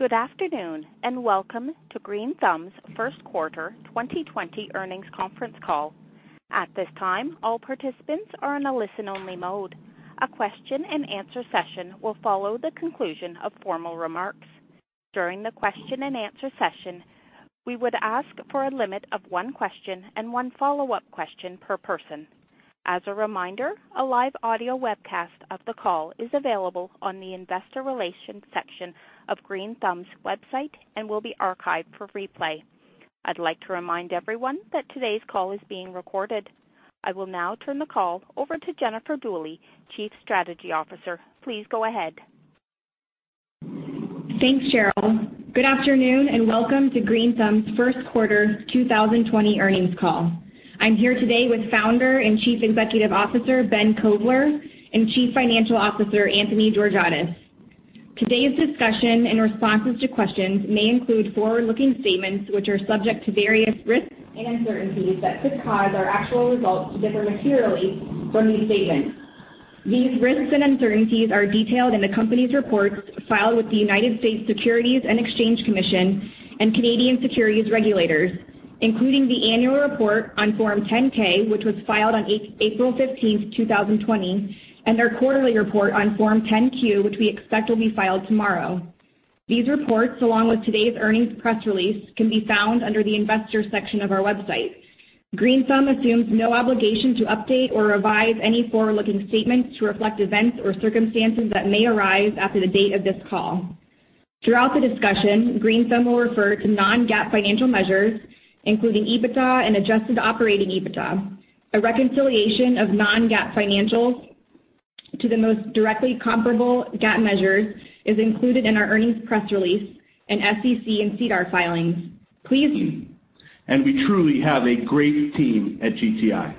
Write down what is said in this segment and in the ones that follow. Good afternoon, and welcome to Green Thumb's first quarter 2020 earnings conference call. At this time, all participants are in a listen-only mode. A question and answer session will follow the conclusion of formal remarks. During the question and answer session, we would ask for a limit of one question and one follow-up question per person. As a reminder, a live audio webcast of the call is available on the investor relations section of Green Thumb's website and will be archived for replay. I'd like to remind everyone that today's call is being recorded. I will now turn the call over to Jennifer Dooley, Chief Strategy Officer. Please go ahead. Thanks, Cheryl. Good afternoon, and welcome to Green Thumb's first quarter 2020 earnings call. I'm here today with Founder and Chief Executive Officer, Ben Kovler, and Chief Financial Officer, Anthony Georgiadis. Today's discussion and responses to questions may include forward-looking statements which are subject to various risks and uncertainties that could cause our actual results to differ materially from these statements. These risks and uncertainties are detailed in the company's reports filed with the United States Securities and Exchange Commission and Canadian securities regulators, including the annual report on Form 10-K, which was filed on April 15, 2020, and our quarterly report on Form 10-Q, which we expect will be filed tomorrow. These reports, along with today's earnings press release, can be found under the investor section of our website. Green Thumb assumes no obligation to update or revise any forward-looking statements to reflect events or circumstances that may arise after the date of this call. Throughout the discussion, Green Thumb will refer to non-GAAP financial measures, including EBITDA and adjusted operating EBITDA. A reconciliation of non-GAAP financials to the most directly comparable GAAP measures is included in our earnings press release and SEC and SEDAR filings. We truly have a great team at GTI.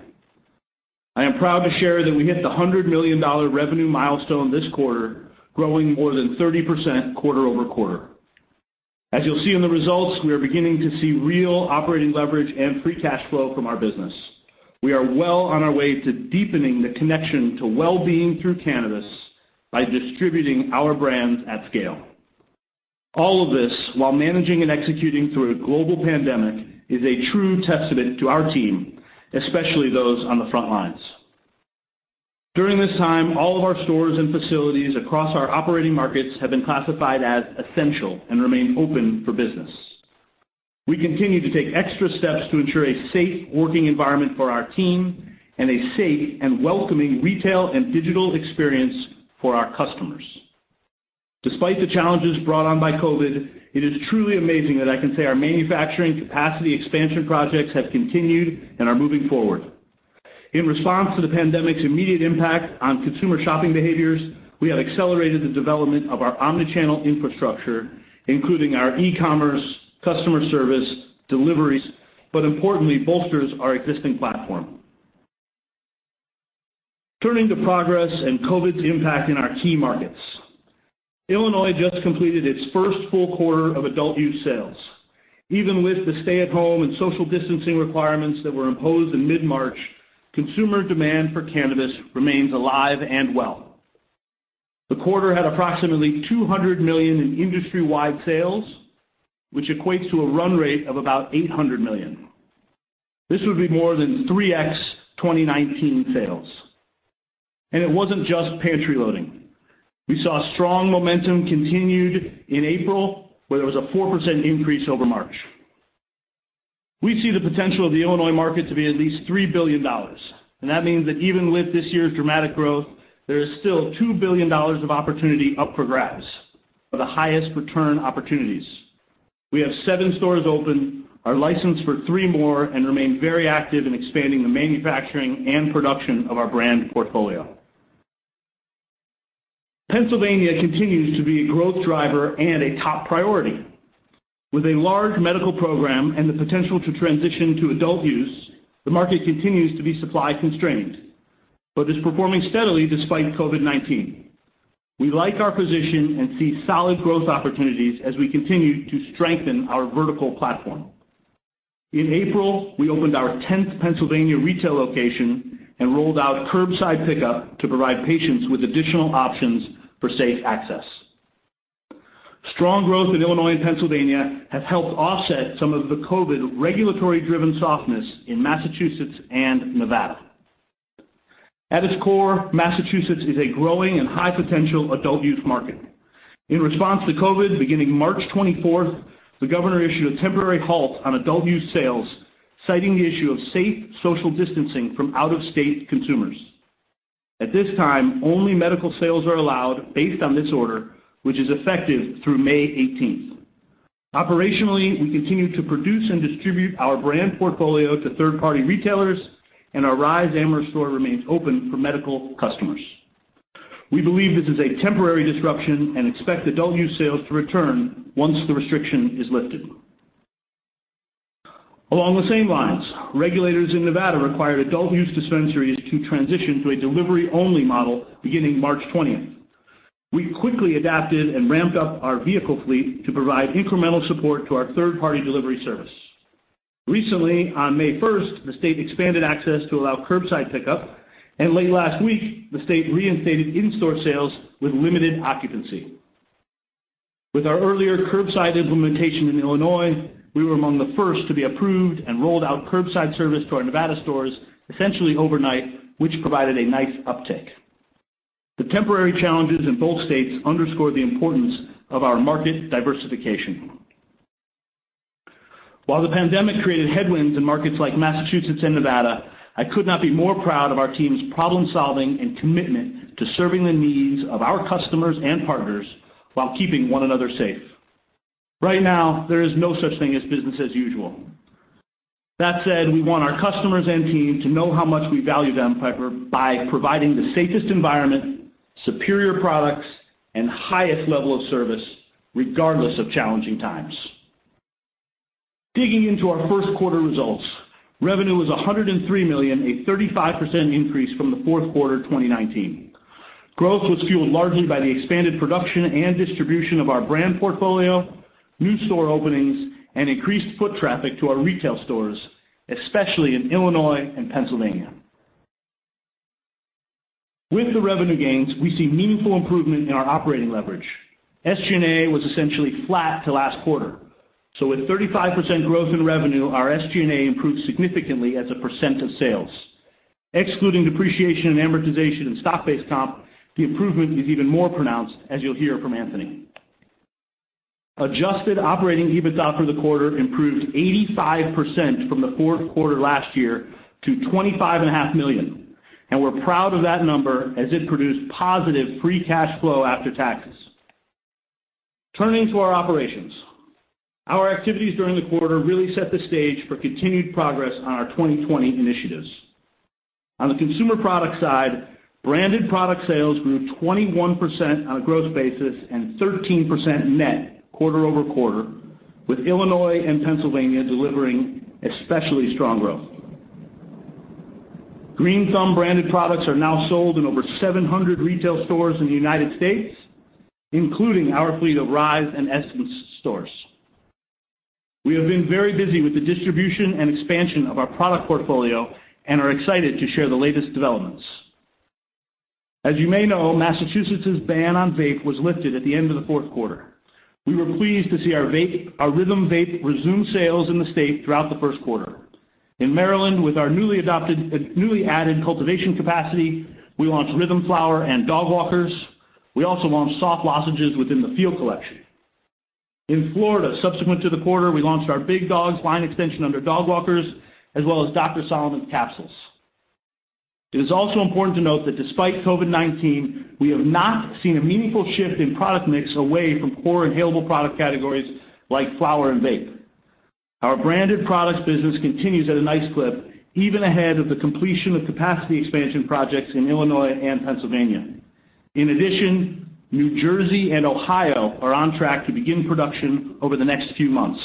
I am proud to share that we hit the $100 million revenue milestone this quarter, growing more than 30% quarter-over-quarter. As you'll see in the results, we are beginning to see real operating leverage and free cash flow from our business. We are well on our way to deepening the connection to well-being through cannabis by distributing our brands at scale. All of this, while managing and executing through a global pandemic, is a true testament to our team, especially those on the front lines. During this time, all of our stores and facilities across our operating markets have been classified as essential and remain open for business. We continue to take extra steps to ensure a safe working environment for our team and a safe and welcoming retail and digital experience for our customers. Despite the challenges brought on by COVID, it is truly amazing that I can say our manufacturing capacity expansion projects have continued and are moving forward. In response to the pandemic's immediate impact on consumer shopping behaviors, we have accelerated the development of our omni-channel infrastructure, including our e-commerce, customer service, deliveries, but importantly, bolsters our existing platform. Turning to progress and COVID's impact in our key markets. Illinois just completed its first full quarter of adult-use sales. Even with the stay-at-home and social distancing requirements that were imposed in mid-March, consumer demand for cannabis remains alive and well. The quarter had approximately $200 million in industry-wide sales, which equates to a run rate of about $800 million. This would be more than 3x 2019 sales. It wasn't just pantry loading. We saw strong momentum continued in April, where there was a 4% increase over March. We see the potential of the Illinois market to be at least $3 billion. That means that even with this year's dramatic growth, there is still $2 billion of opportunity up for grabs, for the highest return opportunities. We have seven stores open, are licensed for three more, and remain very active in expanding the manufacturing and production of our brand portfolio. Pennsylvania continues to be a growth driver and a top priority. With a large medical program and the potential to transition to adult use, the market continues to be supply constrained, but is performing steadily despite COVID-19. We like our position and see solid growth opportunities as we continue to strengthen our vertical platform. In April, we opened our 10th Pennsylvania retail location and rolled out curbside pickup to provide patients with additional options for safe access. Strong growth in Illinois and Pennsylvania have helped offset some of the COVID regulatory-driven softness in Massachusetts and Nevada. At its core, Massachusetts is a growing and high-potential adult-use market. In response to COVID, beginning March 24th, the governor issued a temporary halt on adult-use sales, citing the issue of safe social distancing from out-of-state consumers. At this time, only medical sales are allowed based on this order, which is effective through May 18th. Operationally, we continue to produce and distribute our brand portfolio to third-party retailers, and our Rise Amherst store remains open for medical customers. We believe this is a temporary disruption and expect adult-use sales to return once the restriction is lifted. Along the same lines, regulators in Nevada required adult-use dispensaries to transition to a delivery-only model beginning March 20th. We quickly adapted and ramped up our vehicle fleet to provide incremental support to our third-party delivery service. Recently, on May 1st, the state expanded access to allow curbside pickup, and late last week, the state reinstated in-store sales with limited occupancy. With our earlier curbside implementation in Illinois, we were among the first to be approved and rolled out curbside service to our Nevada stores essentially overnight, which provided a nice uptick. The temporary challenges in both states underscore the importance of our market diversification. While the pandemic created headwinds in markets like Massachusetts and Nevada, I could not be more proud of our team's problem-solving and commitment to serving the needs of our customers and partners while keeping one another safe. Right now, there is no such thing as business as usual. That said, we want our customers and team to know how much we value them by providing the safest environment, superior products, and highest level of service, regardless of challenging times. Digging into our first quarter results, revenue is $103 million, a 35% increase from the fourth quarter 2019. Growth was fueled largely by the expanded production and distribution of our brand portfolio, new store openings, and increased foot traffic to our retail stores, especially in Illinois and Pennsylvania. With the revenue gains, we see meaningful improvement in our operating leverage. SG&A was essentially flat to last quarter. With 35% growth in revenue, our SG&A improved significantly as a % of sales. Excluding depreciation and amortization and stock-based comp, the improvement is even more pronounced, as you'll hear from Anthony. Adjusted operating EBITDA for the quarter improved 85% from the fourth quarter last year to $25.5 million. We're proud of that number, as it produced positive free cash flow after taxes. Turning to our operations. Our activities during the quarter really set the stage for continued progress on our 2020 initiatives. On the consumer product side, branded product sales grew 21% on a gross basis and 13% net quarter-over-quarter, with Illinois and Pennsylvania delivering especially strong growth. Green Thumb branded products are now sold in over 700 retail stores in the U.S., including our fleet of Rise and Essence stores. We have been very busy with the distribution and expansion of our product portfolio. We are excited to share the latest developments. As you may know, Massachusetts' ban on vape was lifted at the end of the fourth quarter. We were pleased to see our RYTHM Vape resume sales in the state throughout the first quarter. In Maryland, with our newly added cultivation capacity, we launched RYTHM Flower and Dogwalkers. We also launched soft lozenges within The Feel Collection. In Florida, subsequent to the quarter, we launched our Big Dogs line extension under Dogwalkers, as well as Doctor Solomon's capsules. It is also important to note that despite COVID-19, we have not seen a meaningful shift in product mix away from core inhalable product categories like flower and vape. Our branded products business continues at a nice clip, even ahead of the completion of capacity expansion projects in Illinois and Pennsylvania. In addition, New Jersey and Ohio are on track to begin production over the next few months.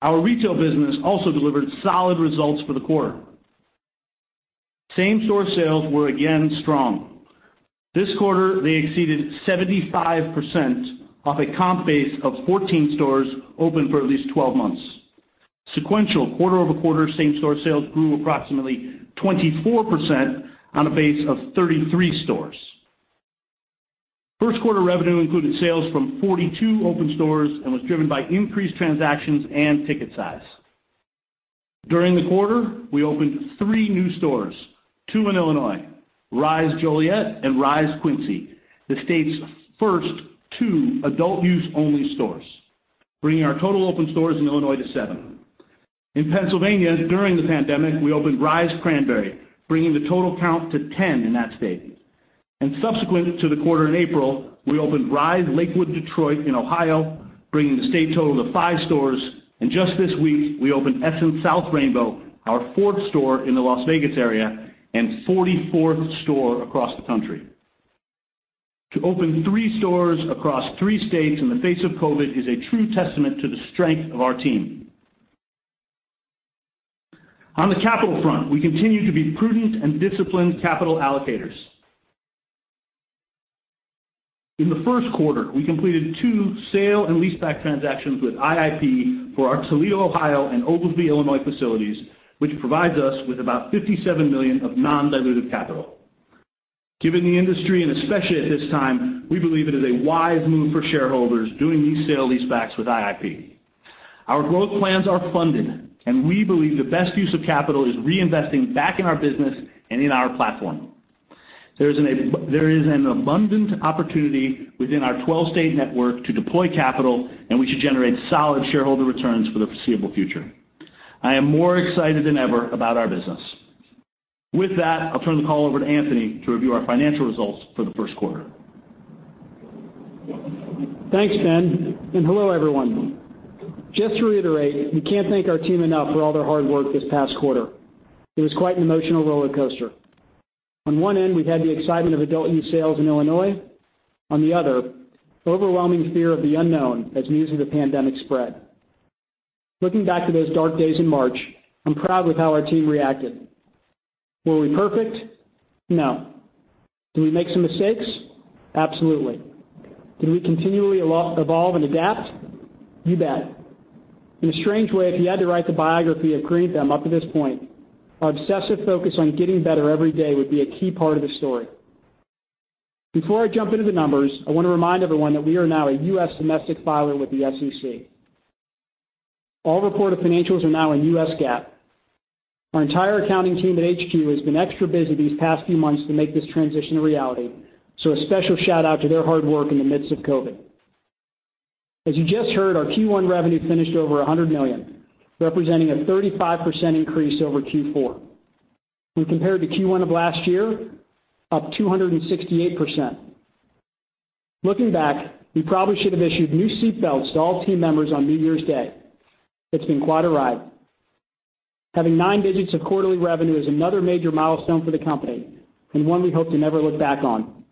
Our retail business also delivered solid results for the quarter. Same-store sales were again strong. This quarter, they exceeded 75% off a comp base of 14 stores open for at least 12 months. Sequential quarter-over-quarter same-store sales grew approximately 24% on a base of 33 stores. First quarter revenue included sales from 42 open stores and was driven by increased transactions and ticket size. During the quarter, we opened three new stores, two in Illinois, Rise Joliet and Rise Quincy, the state's first two adult-use only stores, bringing our total open stores in Illinois to seven. In Pennsylvania, during the pandemic, we opened Rise Cranberry, bringing the total count to 10 in that state. Subsequent to the quarter in April, we opened Rise Lakewood Detroit in Ohio, bringing the state total to five stores. Just this week, we opened Essence South Rainbow, our fourth store in the Las Vegas area and 44th store across the country. To open three stores across three states in the face of COVID-19 is a true testament to the strength of our team. On the capital front, we continue to be prudent and disciplined capital allocators. In the first quarter, we completed two sale and leaseback transactions with IIP for our Toledo, Ohio, and Oglesby, Illinois, facilities, which provides us with about $57 million of non-dilutive capital. Given the industry, especially at this time, we believe it is a wise move for shareholders doing these sale leasebacks with IIP. Our growth plans are funded, we believe the best use of capital is reinvesting back in our business and in our platform. There is an abundant opportunity within our 12-state network to deploy capital, we should generate solid shareholder returns for the foreseeable future. I am more excited than ever about our business. With that, I'll turn the call over to Anthony to review our financial results for the first quarter. Thanks, Ben. Hello, everyone. Just to reiterate, we can't thank our team enough for all their hard work this past quarter. It was quite an emotional rollercoaster. On one end, we had the excitement of adult-use sales in Illinois, on the other, overwhelming fear of the unknown as news of the pandemic spread. Looking back to those dark days in March, I'm proud with how our team reacted. Were we perfect? No. Did we make some mistakes? Absolutely. Did we continually evolve and adapt? You bet. In a strange way, if you had to write the biography of Green Thumb up to this point, our obsessive focus on getting better every day would be a key part of the story. Before I jump into the numbers, I want to remind everyone that we are now a U.S. domestic filer with the SEC. All reported financials are now in U.S. GAAP. Our entire accounting team at HQ has been extra busy these past few months to make this transition a reality, so a special shout-out to their hard work in the midst of COVID-19. As you just heard, our Q1 revenue finished over $100 million, representing a 35% increase over Q4. When compared to Q1 of last year, up 268%. Looking back, we probably should have issued new seat belts to all team members on New Year's Day. It's been quite a ride. Having nine digits of quarterly revenue is another major milestone for the company, and one we hope to never look back on.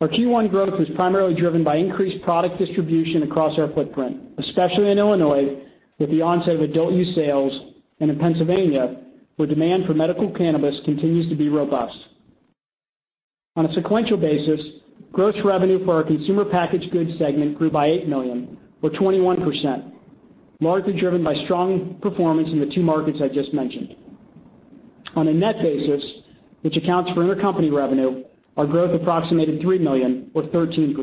Our Q1 growth was primarily driven by increased product distribution across our footprint, especially in Illinois, with the onset of adult use sales, and in Pennsylvania, where demand for medical cannabis continues to be robust. On a sequential basis, gross revenue for our consumer packaged goods segment grew by $8 million or 21%, largely driven by strong performance in the two markets I just mentioned. On a net basis, which accounts for intercompany revenue, our growth approximated $3 million or 13%.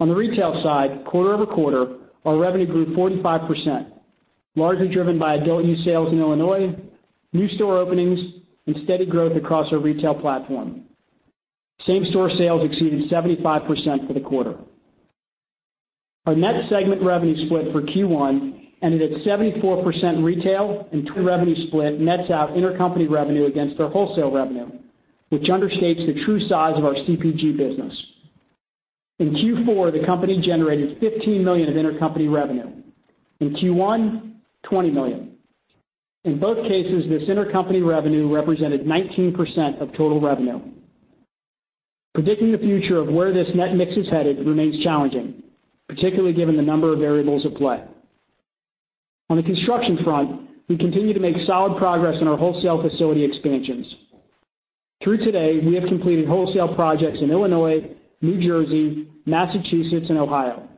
On the retail side, quarter-over-quarter, our revenue grew 45%, largely driven by adult use sales in Illinois, new store openings, and steady growth across our retail platform. Same-store sales exceeded 75% for the quarter. Our net segment revenue split for Q1 ended at 74% retail. Revenue split nets out intercompany revenue against our wholesale revenue, which understates the true size of our CPG business. In Q4, the company generated $15 million of intercompany revenue. In Q1, $20 million. In both cases, this intercompany revenue represented 19% of total revenue. Predicting the future of where this net mix is headed remains challenging, particularly given the number of variables at play. On the construction front, we continue to make solid progress in our wholesale facility expansions. Through today, we have completed wholesale projects in Illinois, New Jersey, Massachusetts, and Ohio.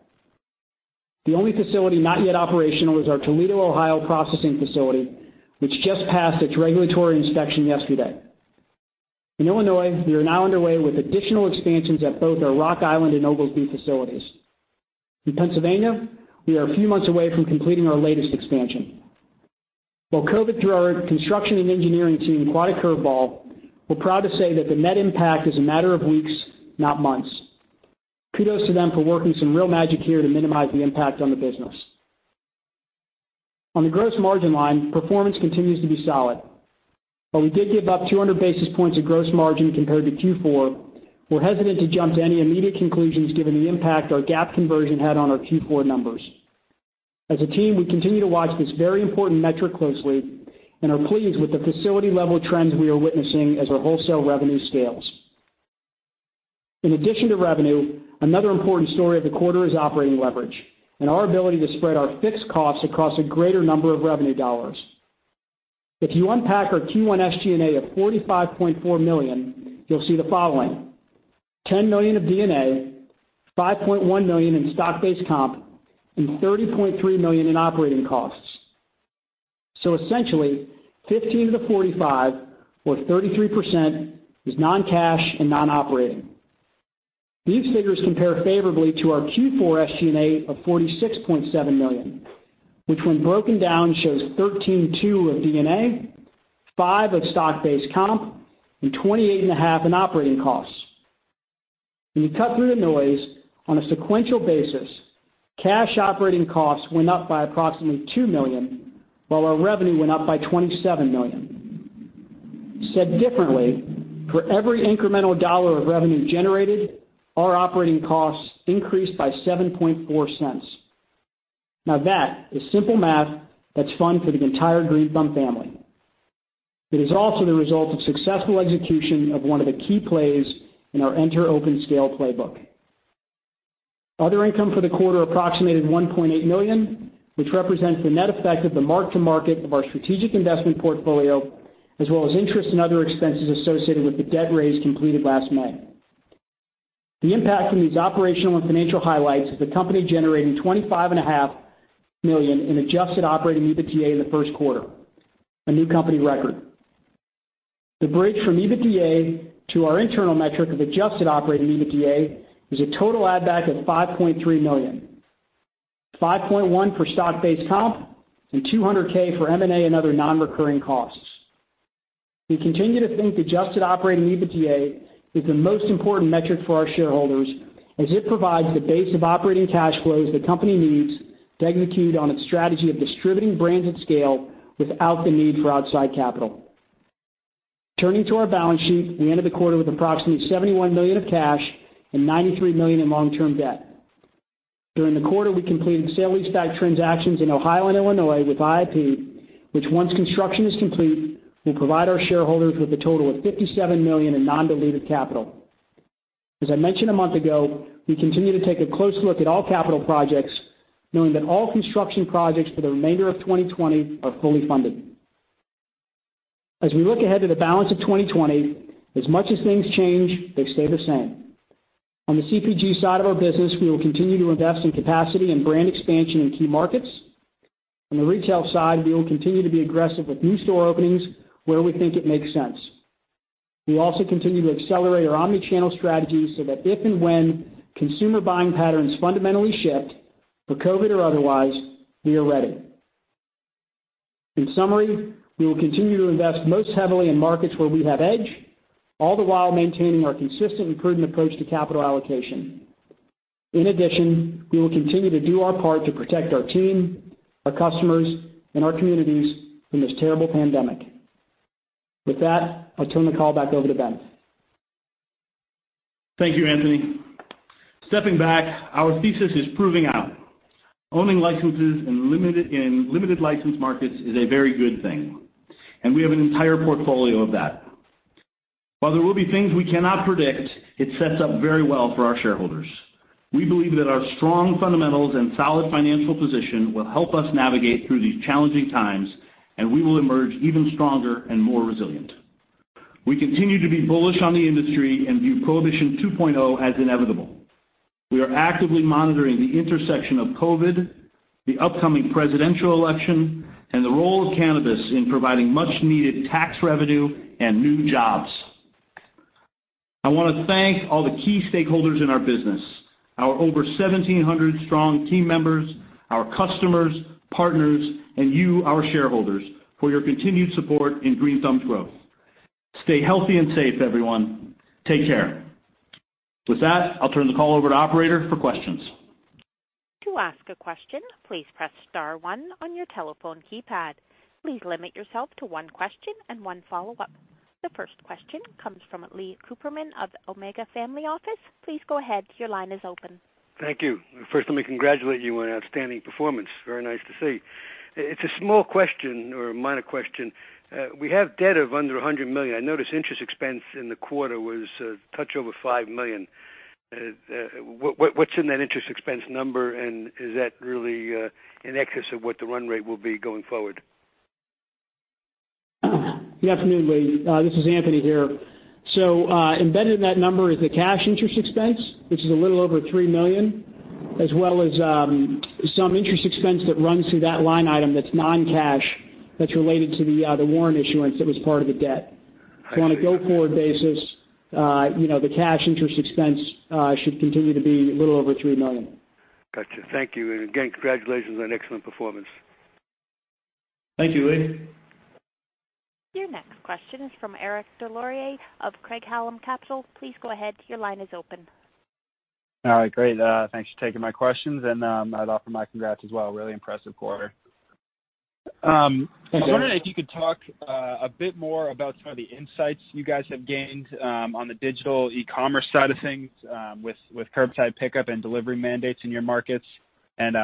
The only facility not yet operational is our Toledo, Ohio, processing facility, which just passed its regulatory inspection yesterday. In Illinois, we are now underway with additional expansions at both our Rock Island and Oglesby facilities. In Pennsylvania, we are a few months away from completing our latest expansion. While COVID-19 threw our construction and engineering team quite a curveball, we're proud to say that the net impact is a matter of weeks, not months. Kudos to them for working some real magic here to minimize the impact on the business. On the gross margin line, performance continues to be solid. While we did give up 200 basis points of gross margin compared to Q4, we're hesitant to jump to any immediate conclusions given the impact our GAAP conversion had on our Q4 numbers. As a team, we continue to watch this very important metric closely and are pleased with the facility-level trends we are witnessing as our wholesale revenue scales. In addition to revenue, another important story of the quarter is operating leverage and our ability to spread our fixed costs across a greater number of revenue dollars. If you unpack our Q1 SG&A of $45.4 million, you'll see the following. $10 million of D&A, $5.1 million in stock-based comp, and $30.3 million in operating costs. Essentially, 15 to the 45 or 33% is non-cash and non-operating. These figures compare favorably to our Q4 SG&A of $46.7 million, which when broken down, shows $13.2 million of D&A, $5 million of stock-based comp, and $28.5 million in operating costs. When you cut through the noise, on a sequential basis, cash operating costs went up by approximately $2 million, while our revenue went up by $27 million. Said differently, for every incremental dollar of revenue generated, our operating costs increased by $0.074. That is simple math that's fun for the entire Green Thumb family. It is also the result of successful execution of one of the key plays in our Enter, Open, Scale playbook. Other income for the quarter approximated $1.8 million, which represents the net effect of the mark-to-market of our strategic investment portfolio, as well as interest and other expenses associated with the debt raise completed last May. The impact from these operational and financial highlights is the company generating $25.5 million in adjusted operating EBITDA in the first quarter, a new company record. The bridge from EBITDA to our internal metric of adjusted operating EBITDA is a total add back of $5.3 million. $5.1 for stock-based comp and $200K for M&A and other non-recurring costs. We continue to think adjusted operating EBITDA is the most important metric for our shareholders as it provides the base of operating cash flows the company needs to execute on its strategy of distributing brands at scale without the need for outside capital. Turning to our balance sheet, we ended the quarter with approximately $71 million of cash and $93 million in long-term debt. During the quarter, we completed sale-leaseback transactions in Ohio and Illinois with IIP, which once construction is complete, will provide our shareholders with a total of $57 million in non-diluted capital. As I mentioned a month ago, we continue to take a close look at all capital projects, knowing that all construction projects for the remainder of 2020 are fully funded. As we look ahead to the balance of 2020, as much as things change, they stay the same. On the CPG side of our business, we will continue to invest in capacity and brand expansion in key markets. On the retail side, we will continue to be aggressive with new store openings where we think it makes sense. We also continue to accelerate our omnichannel strategy so that if and when consumer buying patterns fundamentally shift, for COVID-19 or otherwise, we are ready. In summary, we will continue to invest most heavily in markets where we have edge, all the while maintaining our consistent and prudent approach to capital allocation. We will continue to do our part to protect our team, our customers, and our communities from this terrible pandemic. With that, I'll turn the call back over to Ben. Thank you, Anthony. Stepping back, our thesis is proving out. Owning licenses in limited license markets is a very good thing, and we have an entire portfolio of that. While there will be things we cannot predict, it sets up very well for our shareholders. We believe that our strong fundamentals and solid financial position will help us navigate through these challenging times, and we will emerge even stronger and more resilient. We continue to be bullish on the industry and view Prohibition 2.0 as inevitable. We are actively monitoring the intersection of COVID-19, the upcoming presidential election, and the role of cannabis in providing much-needed tax revenue and new jobs. I want to thank all the key stakeholders in our business, our over 1,700 strong team members, our customers, partners, and you, our shareholders, for your continued support in Green Thumb's growth. Stay healthy and safe, everyone. Take care. With that, I'll turn the call over to operator for questions. To ask a question, please press *1 on your telephone keypad. Please limit yourself to one question and one follow-up. The first question comes from Leon Cooperman of Omega Family Office. Please go ahead. Your line is open. Thank you. First, let me congratulate you on an outstanding performance. Very nice to see. It's a small question or a minor question. We have debt of under $100 million. I noticed interest expense in the quarter was a touch over $5 million. What's in that interest expense number, and is that really in excess of what the run rate will be going forward? Good afternoon, Lee. This is Anthony here. Embedded in that number is the cash interest expense, which is a little over $3 million, as well as some interest expense that runs through that line item that's non-cash, that's related to the warrant issuance that was part of the debt. I see. On a go-forward basis, the cash interest expense should continue to be a little over $3 million. Got you. Thank you. Again, congratulations on an excellent performance. Thank you, Lee. Your next question is from Eric Des Lauriers of Craig-Hallum Capital. Please go ahead. Your line is open. All right, great. Thanks for taking my questions, and I'd offer my congrats as well. Really impressive quarter. Thanks, Eric. I wonder if you could talk a bit more about some of the insights you guys have gained on the digital e-commerce side of things with curbside pickup and delivery mandates in your markets and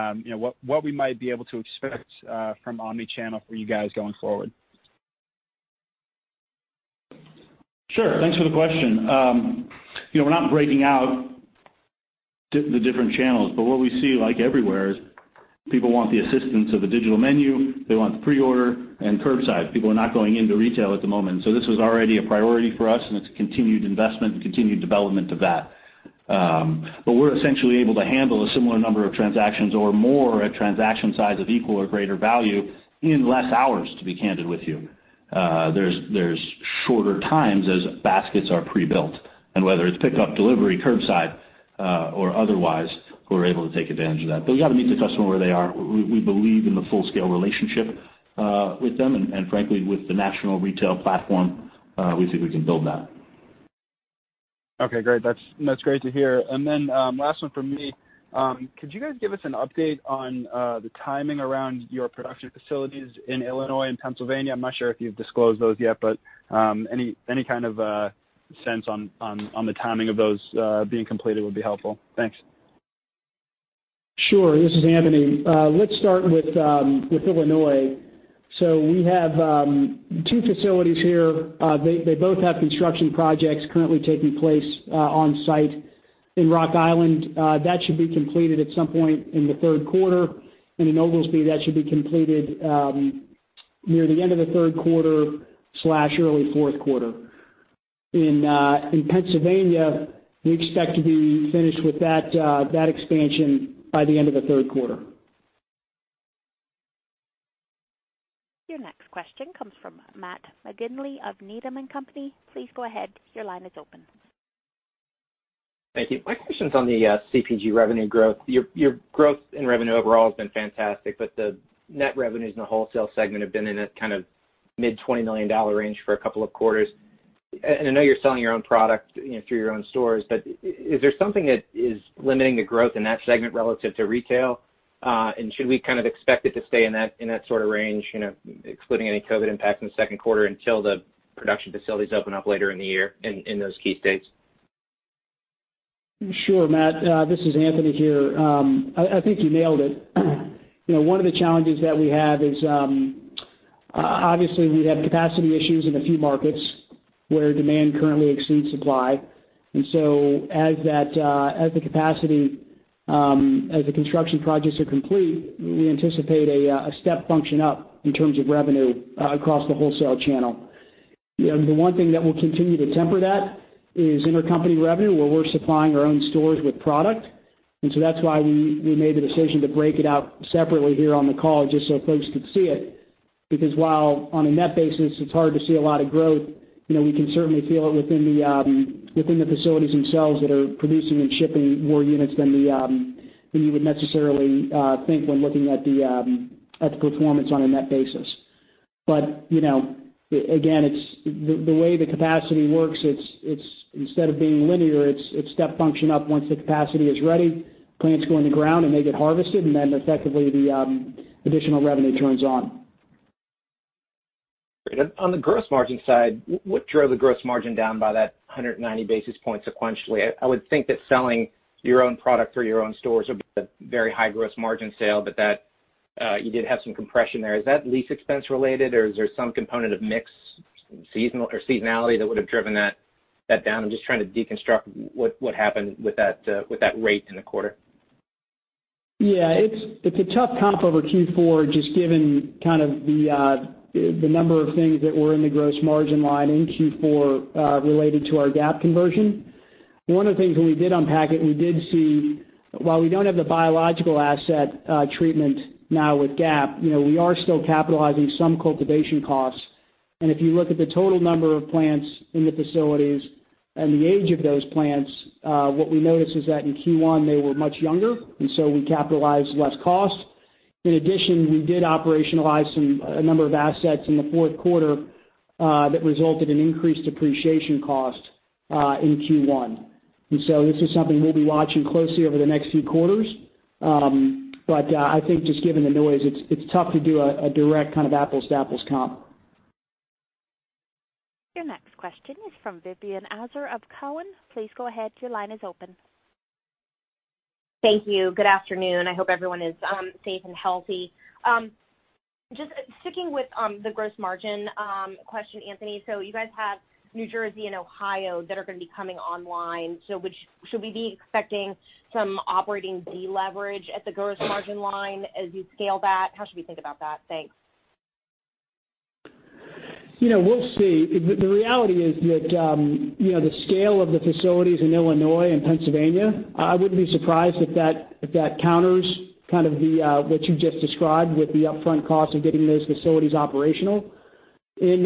what we might be able to expect from omnichannel for you guys going forward. Sure. Thanks for the question. We're not breaking out the different channels, but what we see, like everywhere, is people want the assistance of a digital menu. They want pre-order and curbside. People are not going into retail at the moment. This was already a priority for us, and it's a continued investment and continued development of that. We're essentially able to handle a similar number of transactions or more at transaction size of equal or greater value in less hours, to be candid with you. There's shorter times as baskets are pre-built, and whether it's pickup, delivery, curbside, or otherwise, we're able to take advantage of that. We got to meet the customer where they are. We believe in the full-scale relationship with them, and frankly, with the national retail platform, we think we can build that. Okay, great. That's great to hear. Last one from me. Could you guys give us an update on the timing around your production facilities in Illinois and Pennsylvania? I'm not sure if you've disclosed those yet, but any kind of sense on the timing of those being completed would be helpful. Thanks. Sure. This is Anthony. Let's start with Illinois. So we have two facilities here. They both have construction projects currently taking place on-site. In Rock Island, that should be completed at some point in the third quarter, and in Oglesby, that should be completed near the end of the third quarter/early fourth quarter. In Pennsylvania, we expect to be finished with that expansion by the end of the third quarter. Your next question comes from Matt McGinley of Needham & Company. Please go ahead. Your line is open. Thank you. My question's on the CPG revenue growth. Your growth in revenue overall has been fantastic, the net revenues in the wholesale segment have been in a kind of mid $20 million range for a couple of quarters. I know you're selling your own product through your own stores, is there something that is limiting the growth in that segment relative to retail? Should we kind of expect it to stay in that sort of range, excluding any COVID impact in the second quarter until the production facilities open up later in the year in those key states? Sure, Matt. This is Anthony here. I think you nailed it. One of the challenges that we have is, obviously, we have capacity issues in a few markets where demand currently exceeds supply. As the construction projects are complete, we anticipate a step function up in terms of revenue across the wholesale channel. The one thing that will continue to temper that is intercompany revenue, where we're supplying our own stores with product. That's why we made the decision to break it out separately here on the call just so folks could see it. Because while on a net basis it's hard to see a lot of growth, we can certainly feel it within the facilities themselves that are producing and shipping more units than you would necessarily think when looking at the performance on a net basis. Again, the way the capacity works, instead of being linear, it's step function up once the capacity is ready, plants go in the ground and they get harvested, and then effectively the additional revenue turns on. Great. On the gross margin side, what drove the gross margin down by that 190 basis points sequentially? I would think that selling your own product through your own stores would be a very high gross margin sale, but you did have some compression there. Is that lease expense related, or is there some component of mix or seasonality that would have driven that down? I'm just trying to deconstruct what happened with that rate in the quarter. Yeah, it's a tough comp over Q4 just given kind of the number of things that were in the gross margin line in Q4, related to our GAAP conversion. One of the things when we did unpack it, we did see, while we don't have the biological asset treatment now with GAAP, we are still capitalizing some cultivation costs. If you look at the total number of plants in the facilities and the age of those plants, what we notice is that in Q1 they were much younger, and so we capitalized less cost. In addition, we did operationalize a number of assets in the fourth quarter, that resulted in increased depreciation cost in Q1. This is something we'll be watching closely over the next few quarters. I think just given the noise, it's tough to do a direct kind of apples to apples comp. Your next question is from Vivien Azer of Cowen. Please go ahead, your line is open. Thank you. Good afternoon. I hope everyone is safe and healthy. Just sticking with the gross margin question, Anthony, you guys have New Jersey and Ohio that are going to be coming online. Should we be expecting some operating deleverage at the gross margin line as you scale that? How should we think about that? Thanks. We'll see. The reality is that the scale of the facilities in Illinois and Pennsylvania, I wouldn't be surprised if that counters kind of what you just described with the upfront cost of getting those facilities operational. In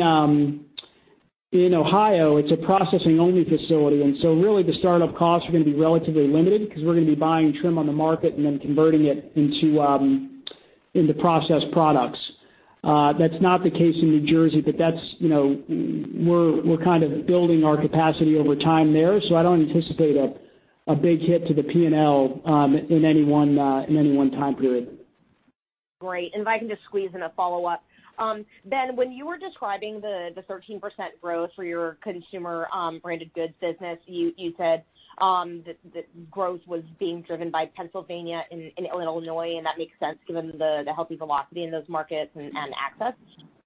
Ohio, it's a processing only facility, and so really the start-up costs are going to be relatively limited because we're going to be buying trim on the market and then converting it into processed products. That's not the case in New Jersey, but we're kind of building our capacity over time there, so I don't anticipate a big hit to the P&L in any one time period. Great. If I can just squeeze in a follow-up. Ben, when you were describing the 13% growth for your consumer branded goods business, you said that growth was being driven by Pennsylvania and Illinois, and that makes sense given the healthy velocity in those markets and access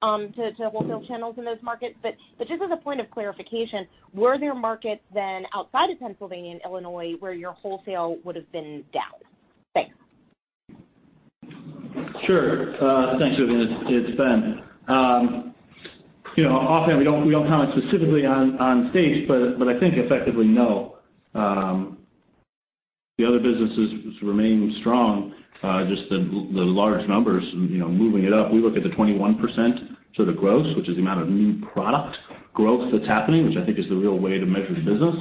to wholesale channels in those markets. Just as a point of clarification, were there markets then outside of Pennsylvania and Illinois where your wholesale would've been down? Thanks. Sure. Thanks, Vivien. It's Ben. Often we don't comment specifically on states, I think effectively, no. The other businesses remain strong, just the large numbers moving it up. We look at the 21% sort of growth, which is the amount of new product growth that's happening, which I think is the real way to measure the business,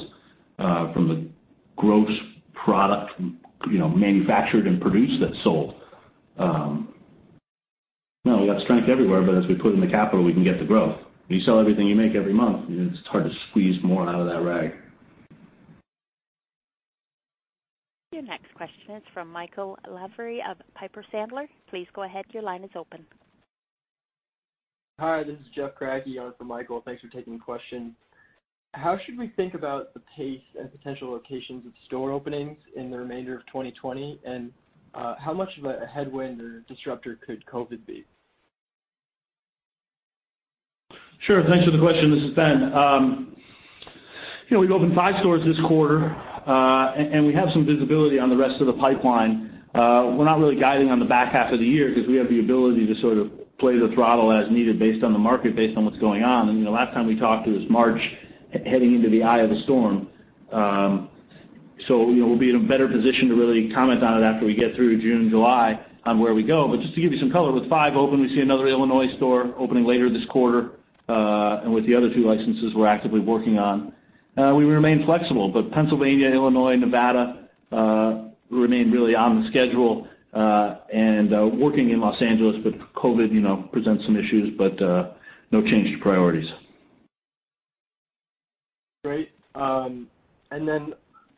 from the gross product manufactured and produced that's sold. We got strength everywhere, as we put in the capital, we can get the growth. When you sell everything you make every month, it's hard to squeeze more out of that rag. Your next question is from Michael Lavery of Piper Sandler. Please go ahead. Your line is open. Hi, this is Jeff Kragy on for Michael. Thanks for taking the question. How should we think about the pace and potential locations of store openings in the remainder of 2020? How much of a headwind or disruptor could COVID be? Sure. Thanks for the question. This is Ben. We've opened five stores this quarter. We have some visibility on the rest of the pipeline. We're not really guiding on the back half of the year because we have the ability to sort of play the throttle as needed based on the market, based on what's going on. The last time we talked, it was March, heading into the eye of the storm. We'll be in a better position to really comment on it after we get through June and July on where we go. Just to give you some color, with five open, we see another Illinois store opening later this quarter, and with the other two licenses we're actively working on. We remain flexible, but Pennsylvania, Illinois, Nevada, remain really on the schedule, and working in Los Angeles with COVID presents some issues, but no change to priorities. Great.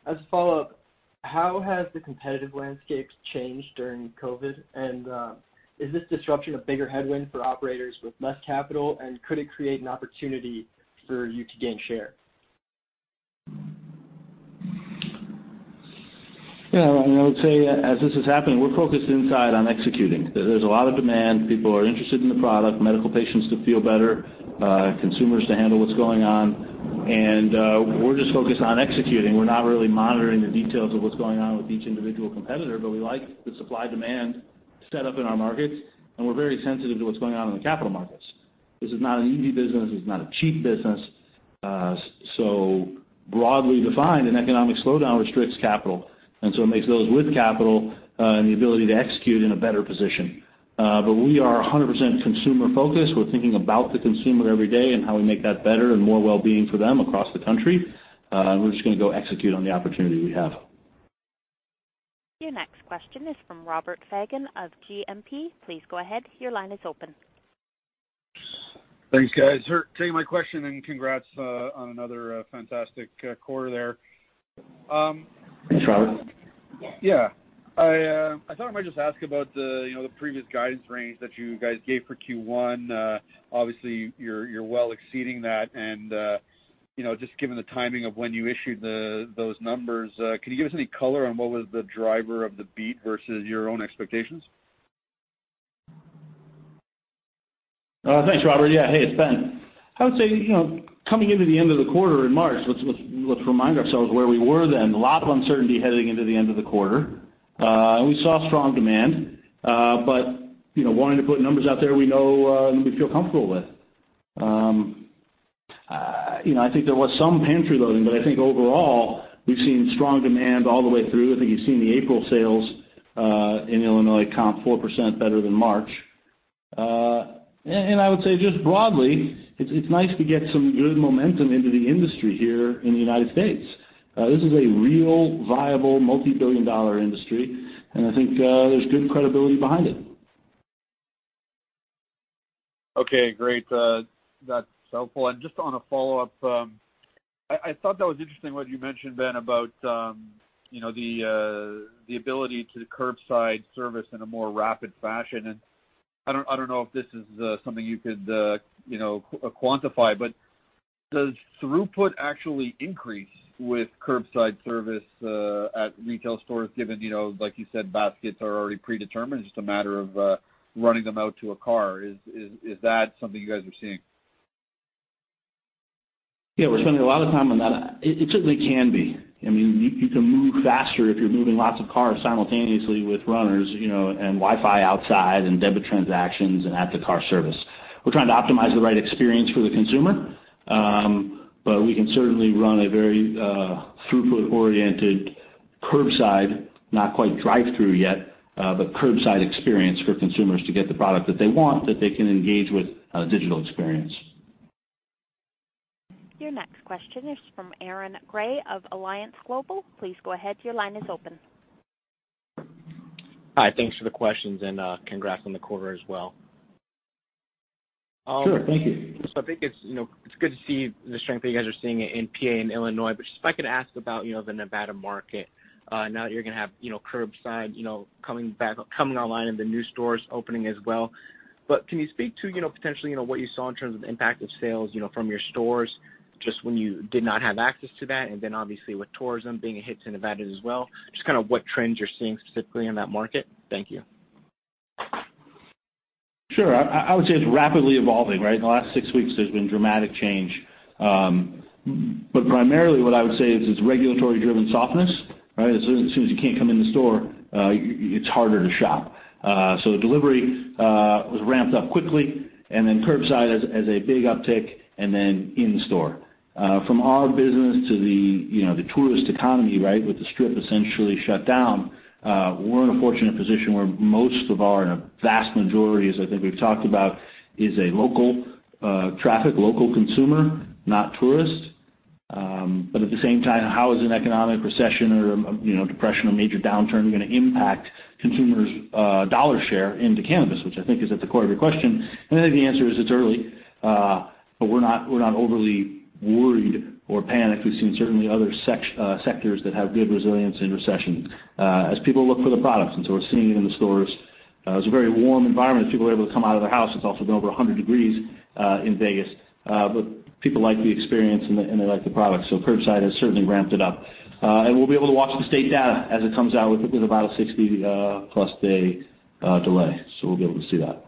As a follow-up, how has the competitive landscape changed during COVID-19? Is this disruption a bigger headwind for operators with less capital? Could it create an opportunity for you to gain share? Yeah. I would say as this is happening, we're focused inside on executing. There's a lot of demand. People are interested in the product, medical patients to feel better, consumers to handle what's going on, and we're just focused on executing. We're not really monitoring the details of what's going on with each individual competitor, but we like the supply-demand set up in our markets, and we're very sensitive to what's going on in the capital markets. This is not an easy business. This is not a cheap business. Broadly defined, an economic slowdown restricts capital, and so it makes those with capital and the ability to execute in a better position. We are 100% consumer-focused. We're thinking about the consumer every day and how we make that better and more wellbeing for them across the country. We're just going to go execute on the opportunity we have. Your next question is from Robert Fagan of Stifel GMP. Please go ahead. Your line is open. Thanks, guys. Take my question and congrats on another fantastic quarter there. Thanks, Robert. Yeah. I thought I might just ask about the previous guidance range that you guys gave for Q1. Obviously, you're well exceeding that, and just given the timing of when you issued those numbers, could you give us any color on what was the driver of the beat versus your own expectations? Thanks, Robert. Yeah. Hey, it's Ben. I would say, coming into the end of the quarter in March, let's remind ourselves where we were then. A lot of uncertainty heading into the end of the quarter. We saw strong demand, but wanting to put numbers out there we know and we feel comfortable with. I think there was some pantry loading, but I think overall, we've seen strong demand all the way through. I think you've seen the April sales in Illinois comp 4% better than March. I would say just broadly, it's nice to get some good momentum into the industry here in the United States. This is a real, viable, multi-billion-dollar industry. I think there's good credibility behind it. Okay, great. That's helpful. Just on a follow-up, I thought that was interesting what you mentioned, Ben, about the ability to curbside service in a more rapid fashion, and I don't know if this is something you could quantify, but does throughput actually increase with curbside service at retail stores, given, like you said, baskets are already predetermined, it's just a matter of running them out to a car. Is that something you guys are seeing? Yeah, we're spending a lot of time on that. It certainly can be. You can move faster if you're moving lots of cars simultaneously with runners, and Wi-Fi outside, and debit transactions, and at-the-car service. We're trying to optimize the right experience for the consumer, but we can certainly run a very throughput-oriented curbside, not quite drive-thru yet, but curbside experience for consumers to get the product that they want, that they can engage with a digital experience. Your next question is from Aaron Grey of Alliance Global. Please go ahead. Your line is open. Hi, thanks for the questions and congrats on the quarter as well. Sure, thank you. I think it's good to see the strength that you guys are seeing in P.A. and Illinois. If I could ask about the Nevada market. Now that you're going to have curbside coming online and the new stores opening as well, can you speak to potentially what you saw in terms of impact of sales from your stores, just when you did not have access to that. Obviously with tourism being a hit to Nevada as well, just kind of what trends you're seeing specifically in that market? Thank you. Sure. I would say it's rapidly evolving. In the last six weeks, there's been dramatic change. Primarily what I would say is it's regulatory-driven softness. As soon as you can't come in the store, it's harder to shop. Delivery was ramped up quickly, and then curbside has a big uptick, and then in-store. From our business to the tourist economy. With the Strip essentially shut down, we're in a fortunate position where most of our, and a vast majority as I think we've talked about, is a local traffic, local consumer, not tourist. At the same time, how is an economic recession or depression or major downturn going to impact consumers' dollar share into cannabis? Which I think is at the core of your question. I think the answer is it's early. We're not overly worried or panicked. We've seen certainly other sectors that have good resilience in recession as people look for the products. We're seeing it in the stores. It's a very warm environment. People are able to come out of their house. It's also been over 100 degrees in Vegas. People like the experience, and they like the product. Curbside has certainly ramped it up. We'll be able to watch the state data as it comes out with about a 60-plus day delay. We'll be able to see that.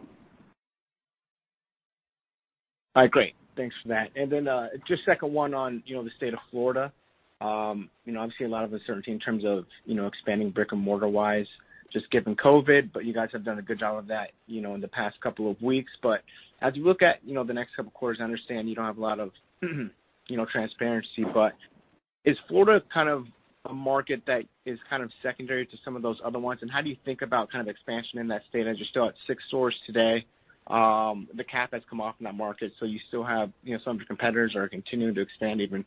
All right, great. Thanks for that. Then, just second one on the state of Florida. Obviously, a lot of uncertainty in terms of expanding brick-and-mortar-wise, just given COVID-19, but you guys have done a good job of that in the past couple of weeks. As you look at the next couple of quarters, I understand you don't have a lot of transparency, but is Florida kind of a market that is kind of secondary to some of those other ones? How do you think about kind of expansion in that state, as you're still at six stores today? The cap has come off in that market, so you still have some of your competitors are continuing to expand even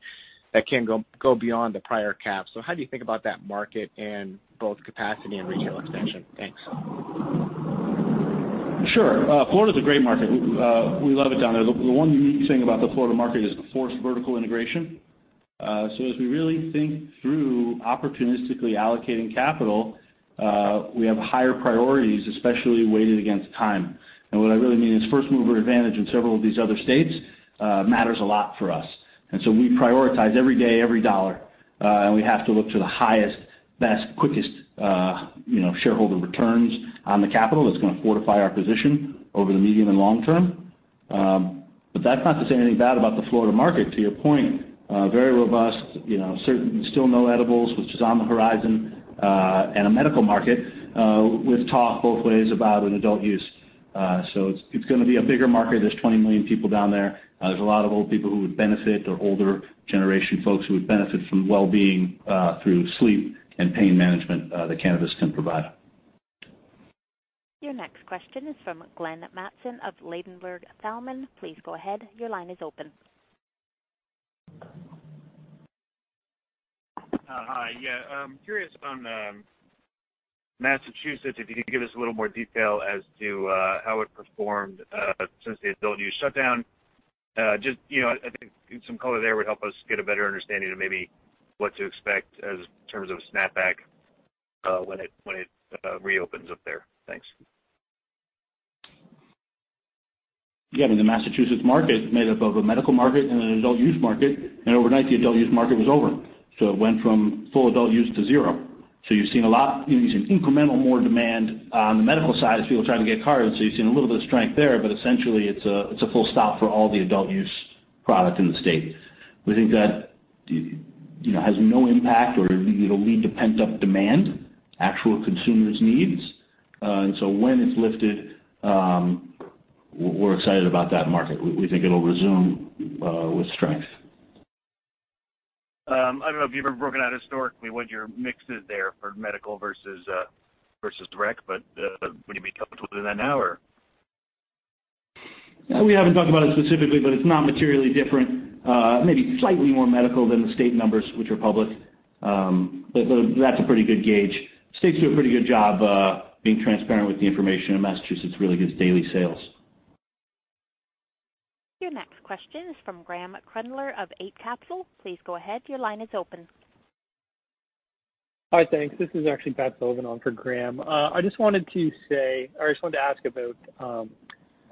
that can go beyond the prior cap. How do you think about that market and both capacity and retail expansion? Thanks. Sure. Florida's a great market. We love it down there. The one unique thing about the Florida market is the forced vertical integration. As we really think through opportunistically allocating capital. We have higher priorities, especially weighted against time. What I really mean is first-mover advantage in several of these other states matters a lot for us. We prioritize every day, every dollar, and we have to look to the highest, best, quickest shareholder returns on the capital that's going to fortify our position over the medium and long term. That's not to say anything bad about the Florida market, to your point. Very robust, certainly still no edibles, which is on the horizon, and a medical market with talk both ways about an adult use. It's going to be a bigger market. There's 20 million people down there. There's a lot of old people who would benefit, or older generation folks who would benefit from wellbeing through sleep and pain management that cannabis can provide. Your next question is from Glenn Mattson of Ladenburg Thalmann. Please go ahead. Your line is open. Hi. Yeah. I'm curious on Massachusetts, if you could give us a little more detail as to how it performed since the adult use shutdown. Just, I think some color there would help us get a better understanding of maybe what to expect in terms of a snap back when it reopens up there. Thanks. Yeah. The Massachusetts market is made up of a medical market and an adult use market. Overnight, the adult use market was over. It went from full adult use to zero. You're seeing incremental more demand on the medical side as people are trying to get cards, so you're seeing a little bit of strength there, but essentially it's a full stop for all the adult use product in the state. We think that has no impact or it'll lead to pent-up demand, actual consumers' needs. When it's lifted, we're excited about that market. We think it'll resume with strength. I don't know if you've ever broken out historically what your mix is there for medical versus direct, but would you be comfortable doing that now? We haven't talked about it specifically, but it's not materially different. Maybe slightly more medical than the state numbers, which are public. That's a pretty good gauge. States do a pretty good job being transparent with the information, and Massachusetts really gives daily sales. Your next question is from Graeme Kreindler of Eight Capital. Please go ahead. Your line is open. Hi, thanks. This is actually Pat Sullivan on for Graeme. I just wanted to ask about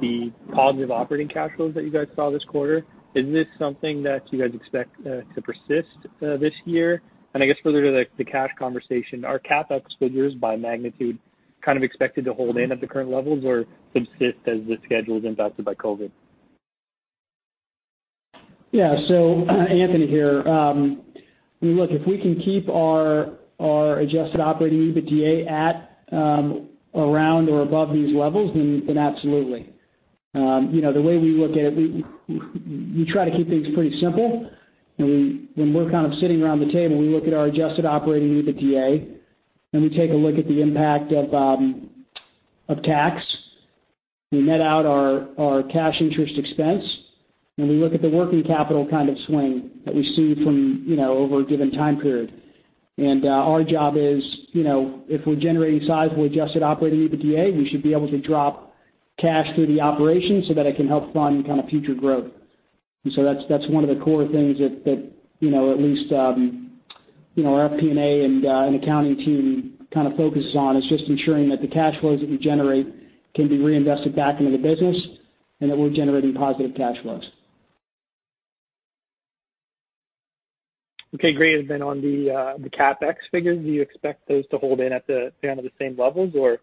the positive operating cash flows that you guys saw this quarter. Is this something that you guys expect to persist this year? I guess further to the cash conversation, are CapEx figures by magnitude kind of expected to hold in at the current levels or subsist as the schedule is impacted by COVID? Yeah. Anthony here. Look, if we can keep our adjusted operating EBITDA at, around, or above these levels, absolutely. The way we look at it, we try to keep things pretty simple, and when we're kind of sitting around the table, we look at our adjusted operating EBITDA, and we take a look at the impact of tax. We net out our cash interest expense, and we look at the working capital kind of swing that we see over a given time period. Our job is, if we're generating sizable adjusted operating EBITDA, we should be able to drop cash through the operation so that it can help fund kind of future growth. That's one of the core things that at least our FP&A and accounting team kind of focuses on, is just ensuring that the cash flows that we generate can be reinvested back into the business and that we're generating positive cash flows. Okay. Great. On the CapEx figures, do you expect those to hold in at the same levels, or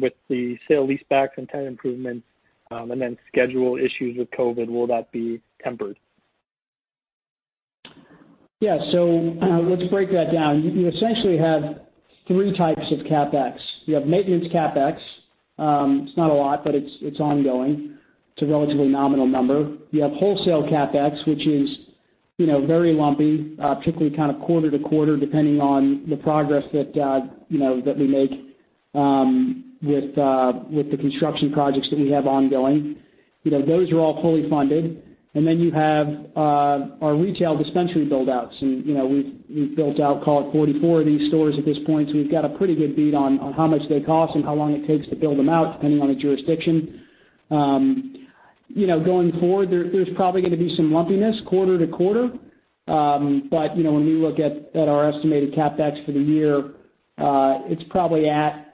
with the sale-leasebacks and tenant improvements, and then schedule issues with COVID-19, will that be tempered? Let's break that down. You essentially have 3 types of CapEx. You have maintenance CapEx. It's not a lot, but it's ongoing. It's a relatively nominal number. You have wholesale CapEx, which is very lumpy, particularly kind of quarter to quarter, depending on the progress that we make with the construction projects that we have ongoing. Those are all fully funded. You have our retail dispensary build-outs, and we've built out, call it 44 of these stores at this point, so we've got a pretty good bead on how much they cost and how long it takes to build them out, depending on the jurisdiction. Going forward, there's probably going to be some lumpiness quarter to quarter. When we look at our estimated CapEx for the year, it's probably at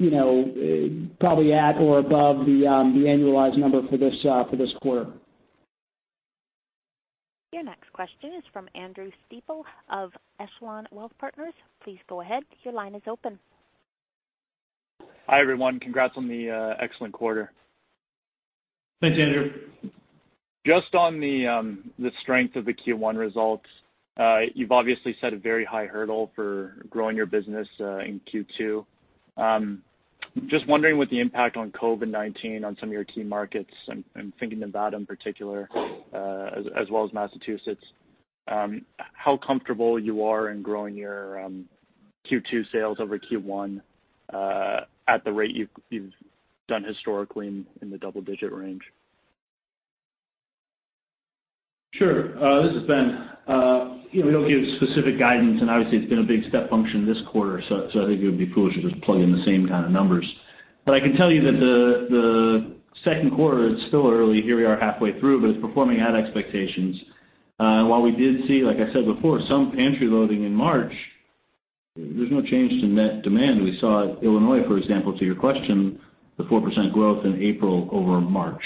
or above the annualized number for this quarter. Your next question is from Andrew Stiepel of Echelon Wealth Partners. Please go ahead. Your line is open. Hi, everyone. Congrats on the excellent quarter. Thanks, Andrew. Just on the strength of the Q1 results, you've obviously set a very high hurdle for growing your business in Q2. Just wondering with the impact on COVID-19 on some of your key markets, I'm thinking of Nevada in particular, as well as Massachusetts, how comfortable you are in growing your Q2 sales over Q1, at the rate you've done historically in the double digit range? Sure. This is Ben. We don't give specific guidance, obviously it's been a big step function this quarter, I think it would be foolish to just plug in the same kind of numbers. I can tell you that the second quarter, it's still early, here we are halfway through, but it's performing at expectations. While we did see, like I said before, some pantry loading in March, there's no change to net demand. We saw Illinois, for example, to your question, the 4% growth in April over March.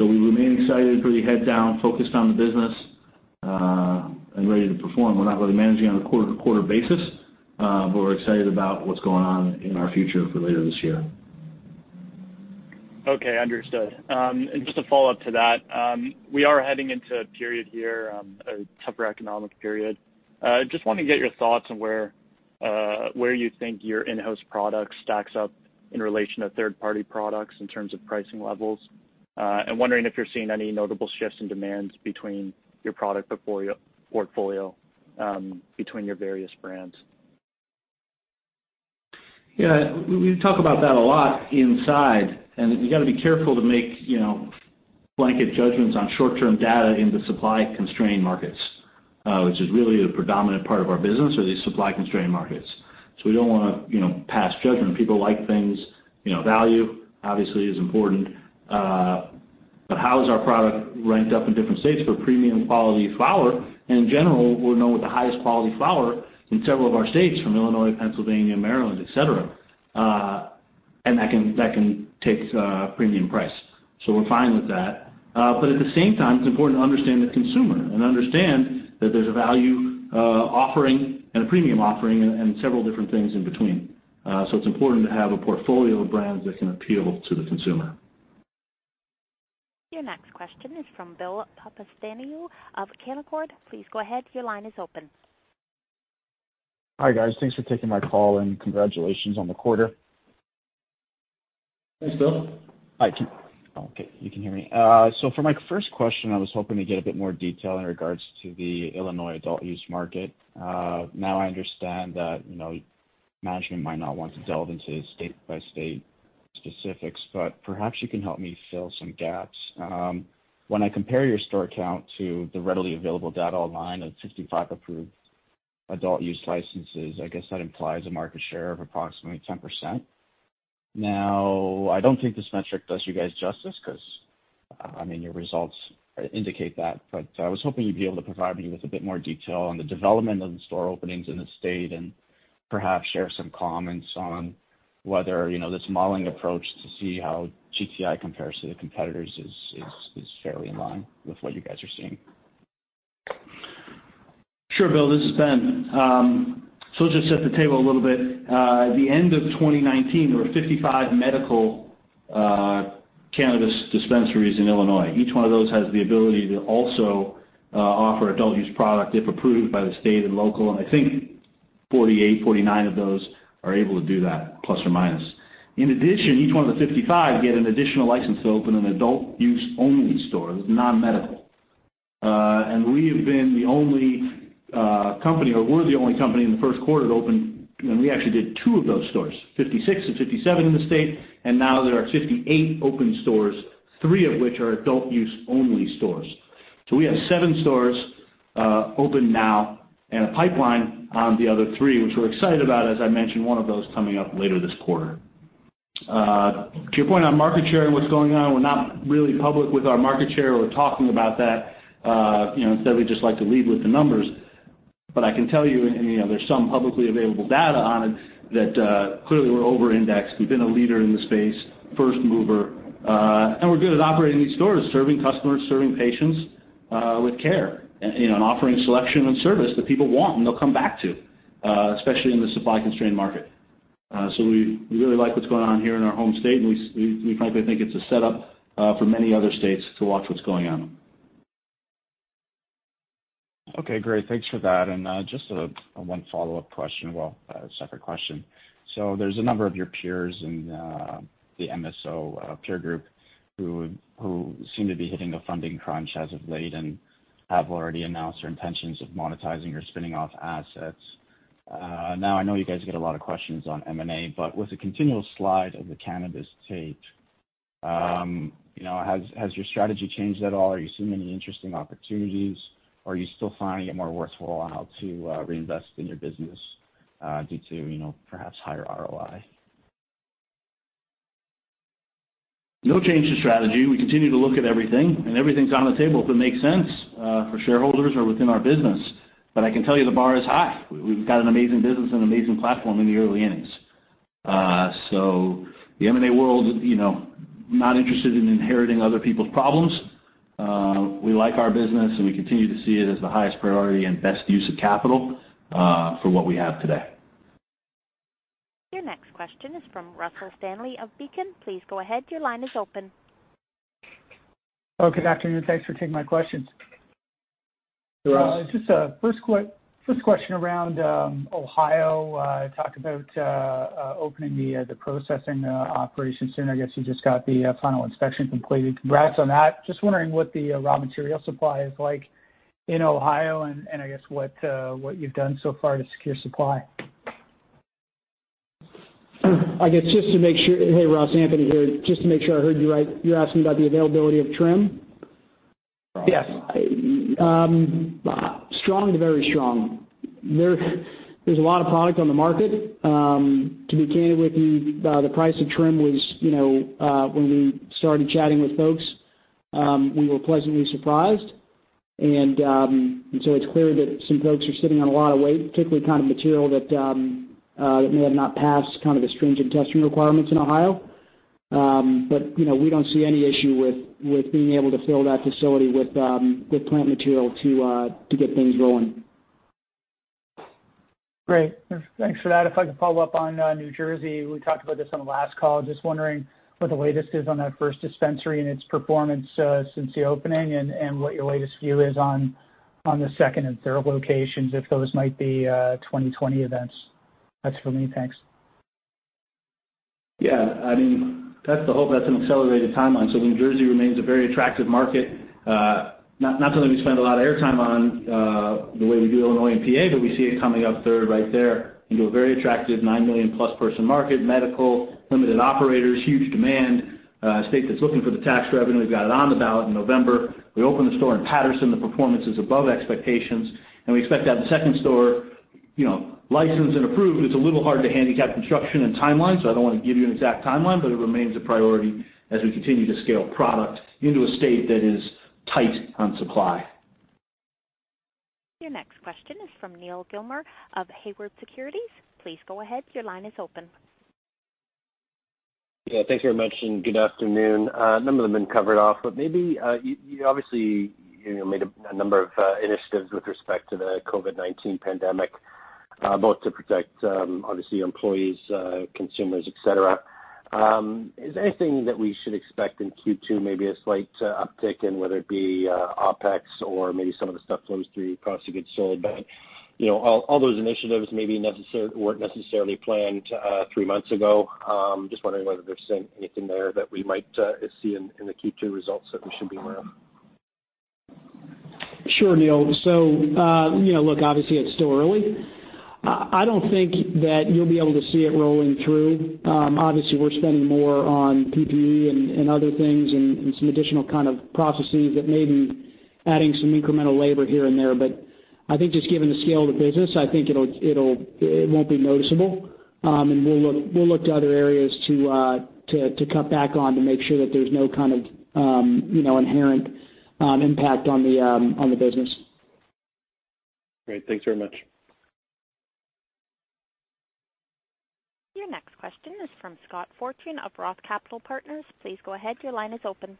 We remain excited, pretty head down, focused on the business, and ready to perform. We're not really managing on a quarter-to-quarter basis, but we're excited about what's going on in our future for later this year. Okay, understood. Just a follow-up to that, we are heading into a period here, a tougher economic period. Just want to get your thoughts on where you think your in-house product stacks up in relation to third-party products in terms of pricing levels. Wondering if you're seeing any notable shifts in demands between your product portfolio between your various brands. Yeah, we talk about that a lot inside. You got to be careful to make blanket judgments on short-term data into supply-constrained markets, which is really the predominant part of our business, are these supply-constrained markets. We don't want to pass judgment. People like things. Value obviously is important. How is our product ranked up in different states for premium quality flower? In general, we're known with the highest quality flower in several of our states, from Illinois to Pennsylvania, Maryland, et cetera. That can take premium price. We're fine with that. At the same time, it's important to understand the consumer and understand that there's a value offering and a premium offering and several different things in between. It's important to have a portfolio of brands that can appeal to the consumer. Your next question is from Bill Papastathiou of Canaccord. Please go ahead. Your line is open. Hi, guys. Thanks for taking my call, and congratulations on the quarter. Thanks, Bill. Hi. Okay, you can hear me. For my first question, I was hoping to get a bit more detail in regards to the Illinois adult-use market. Now, I understand that management might not want to delve into state-by-state specifics, but perhaps you can help me fill some gaps. When I compare your store count to the readily available data online of 65 approved adult-use licenses, I guess that implies a market share of approximately 10%. Now, I don't think this metric does you guys justice because your results indicate that, but I was hoping you'd be able to provide me with a bit more detail on the development of the store openings in the state and perhaps share some comments on whether this modeling approach to see how GTI compares to the competitors is fairly in line with what you guys are seeing. Sure, Bill, this is Ben. I'll just set the table a little bit. At the end of 2019, there were 55 medical cannabis dispensaries in Illinois. Each one of those has the ability to also offer adult-use product if approved by the state and local, I think 48, 49 of those are able to do that, plus or minus. In addition, each one of the 55 get an additional license to open an adult-use only store, non-medical. We have been the only company, or were the only company in the first quarter to open. We actually did two of those stores, 56 and 57 in the state. Now there are 58 open stores, three of which are adult-use-only stores. We have seven stores open now and a pipeline on the other three, which we're excited about, as I mentioned, one of those coming up later this quarter. To your point on market share and what's going on, we're not really public with our market share or talking about that. Instead, we just like to lead with the numbers. I can tell you, and there's some publicly available data on it, that clearly we're over-indexed. We've been a leader in the space, first mover, and we're good at operating these stores, serving customers, serving patients with care, and offering selection and service that people want and they'll come back to, especially in the supply-constrained market. We really like what's going on here in our home state, and we frankly think it's a setup for many other states to watch what's going on. Okay, great. Thanks for that. Just one follow-up question. A separate question. There's a number of your peers in the MSO peer group who seem to be hitting a funding crunch as of late and have already announced their intentions of monetizing or spinning off assets. I know you guys get a lot of questions on M&A, but with the continual slide of the cannabis tape, has your strategy changed at all? Are you seeing any interesting opportunities? Are you still finding it more worthwhile to reinvest in your business due to perhaps higher ROI? No change to strategy. We continue to look at everything, and everything's on the table if it makes sense for shareholders or within our business. I can tell you the bar is high. We've got an amazing business and an amazing platform in the early innings. The M&A world, not interested in inheriting other people's problems. We like our business, and we continue to see it as the highest priority and best use of capital for what we have today. Your next question is from Russell Stanley of Beacon. Please go ahead. Your line is open. Oh, good afternoon. Thanks for taking my questions. Hey, Russ. First question around Ohio. Talk about opening the processing operation soon. I guess you just got the final inspection completed. Congrats on that. Wondering what the raw material supply is like in Ohio, and I guess what you've done so far to secure supply. I guess just to make sure Hey, Russ, Anthony here. Just to make sure I heard you right, you're asking about the availability of trim? Yes. Strong to very strong. There's a lot of product on the market. To be candid with you, the price of trim was, when we started chatting with folks, we were pleasantly surprised. It's clear that some folks are sitting on a lot of weight, particularly kind of material that may have not passed the stringent testing requirements in Ohio. We don't see any issue with being able to fill that facility with plant material to get things rolling. Great. Thanks for that. If I could follow up on New Jersey, we talked about this on the last call, just wondering what the latest is on that first dispensary and its performance since the opening, and what your latest view is on the second and third locations, if those might be 2020 events. That's for me. Thanks. Yeah, that's the hope. That's an accelerated timeline. New Jersey remains a very attractive market. Not something we spend a lot of air time on, the way we do Illinois and PA, but we see it coming up third right there into a very attractive 9 million-plus person market, medical, limited operators, huge demand, a state that's looking for the tax revenue. They've got it on the ballot in November. We opened the store in Paterson. The performance is above expectations, and we expect to have the second store licensed and approved. It's a little hard to handicap construction and timelines, so I don't want to give you an exact timeline, but it remains a priority as we continue to scale product into a state that is tight on supply. Your next question is from Neal Gilmer of Haywood Securities. Please go ahead. Your line is open. Yeah, thanks very much, and good afternoon. A number of them have been covered off, but maybe, you obviously made a number of initiatives with respect to the COVID-19 pandemic, both to protect, obviously, employees, consumers, et cetera. Is there anything that we should expect in Q2, maybe a slight uptick in, whether it be OpEx or maybe some of the stuff flows through costs to get sold? All those initiatives maybe weren't necessarily planned three months ago. Just wondering whether there's anything there that we might see in the Q2 results that we should be aware of? Sure, Neal. Look, obviously, it's still early. I don't think that you'll be able to see it rolling through. Obviously, we're spending more on PPE and other things and some additional kind of processes that may be adding some incremental labor here and there. I think just given the scale of the business, I think it won't be noticeable. We'll look to other areas to cut back on to make sure that there's no kind of inherent impact on the business. Great. Thanks very much. Your next question is from Scott Fortune of Roth Capital Partners. Please go ahead. Your line is open.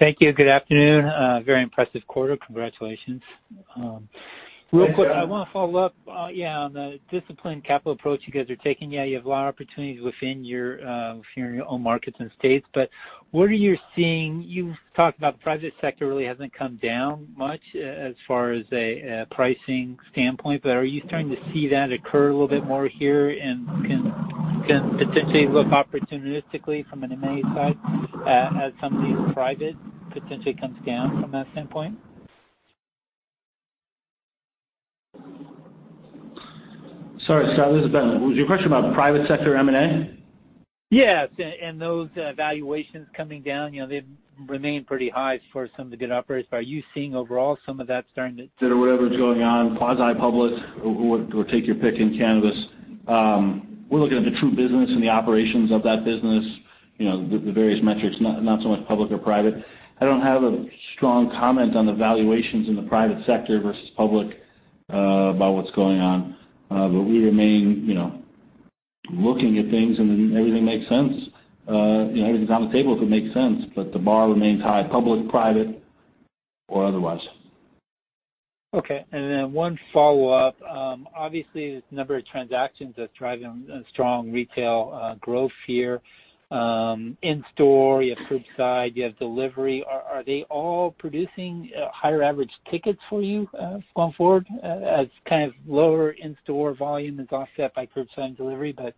Thank you. Good afternoon. A very impressive quarter. Congratulations. Thank you. Real quick, I want to follow up on the disciplined capital approach you guys are taking. You have a lot of opportunities within your own markets and states. What are you seeing? You've talked about the private sector really hasn't come down much as far as a pricing standpoint. Are you starting to see that occur a little bit more here? Can you potentially look opportunistically from an M&A side as some of these private potentially comes down from that standpoint? Sorry, Scott, this is Ben. Was your question about private sector M&A? Yes, those valuations coming down. They've remained pretty high for some of the good operators. Are you seeing overall some of that starting to? That or whatever's going on quasi-public, or take your pick in cannabis. We're looking at the true business and the operations of that business, the various metrics, not so much public or private. I don't have a strong comment on the valuations in the private sector versus public about what's going on. We remain looking at things, and everything makes sense. Everything's on the table if it makes sense, but the bar remains high, public, private, or otherwise. Okay, one follow-up. Obviously, the number of transactions that's driving strong retail growth here, in-store, you have curbside, you have delivery. Are they all producing higher average tickets for you going forward as kind of lower in-store volume is offset by curbside and delivery, but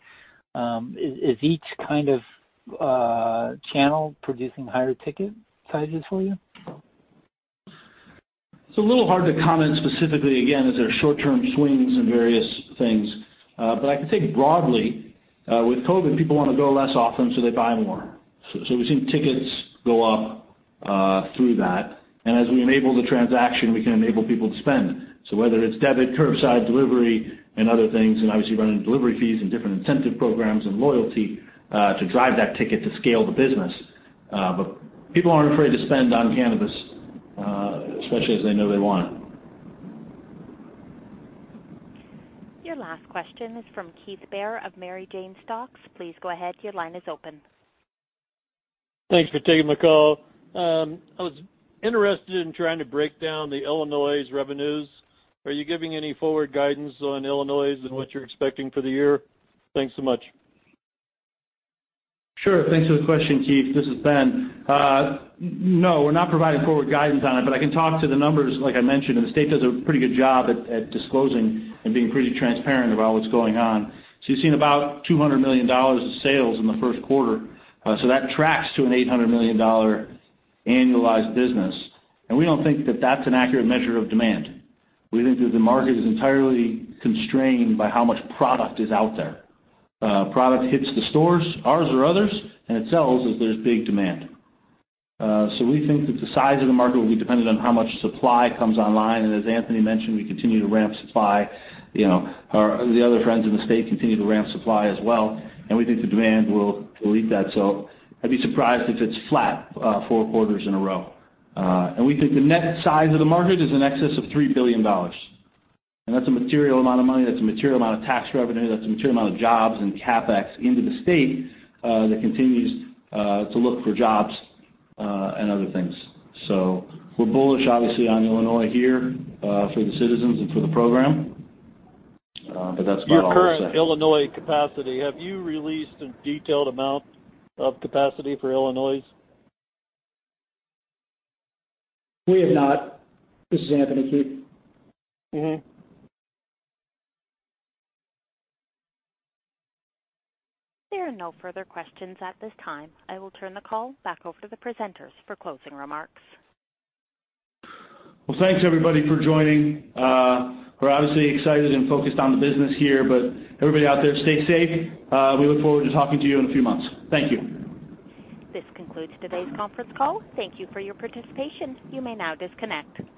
is each kind of channel producing higher ticket sizes for you? It's a little hard to comment specifically, again, as there are short-term swings and various things. I can say broadly, with COVID-19, people want to go less often, so they buy more. We've seen tickets go up through that. As we enable the transaction, we can enable people to spend. Whether it's debit, curbside, delivery, and other things, and obviously running delivery fees and different incentive programs and loyalty to drive that ticket to scale the business. People aren't afraid to spend on cannabis, especially as they know they want it. Your last question is from Keith Bear of The Mary Jane Stocks. Please go ahead. Your line is open. Thanks for taking my call. I was interested in trying to break down the Illinois revenues. Are you giving any forward guidance on Illinois and what you're expecting for the year? Thanks so much. Sure. Thanks for the question, Keith. This is Ben. No, we're not providing forward guidance on it, but I can talk to the numbers, like I mentioned, and the state does a pretty good job at disclosing and being pretty transparent about what's going on. You've seen about $200 million of sales in the first quarter. That tracks to an $800 million annualized business, and we don't think that that's an accurate measure of demand. We think that the market is entirely constrained by how much product is out there. Product hits the stores, ours or others, and it sells as there's big demand. We think that the size of the market will be dependent on how much supply comes online, and as Anthony mentioned, we continue to ramp supply. The other friends in the state continue to ramp supply as well, we think the demand will lead that. I'd be surprised if it's flat four quarters in a row. We think the net size of the market is in excess of $3 billion. That's a material amount of money. That's a material amount of tax revenue. That's a material amount of jobs and CapEx into the state that continues to look for jobs and other things. We're bullish, obviously, on Illinois here for the citizens and for the program. That's about all I'll say. Your current Illinois capacity, have you released a detailed amount of capacity for Illinois? We have not. This is Anthony, Keith. There are no further questions at this time. I will turn the call back over to the presenters for closing remarks. Well, thanks everybody for joining. We're obviously excited and focused on the business here, but everybody out there stay safe. We look forward to talking to you in a few months. Thank you. This concludes today's conference call. Thank you for your participation. You may now disconnect.